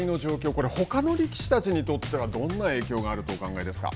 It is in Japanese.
これはほかの力士たちにとってはどんな影響があるとお考えですか。